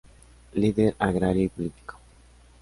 Líder agrario y político.